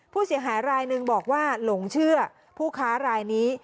ผู้เสียหายรายหนึ่งบอกว่าหลงเชื่อผู้ค้ารายนี้